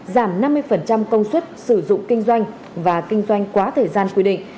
giảm năm mươi công suất sử dụng kinh doanh và kinh doanh quá thời gian quy định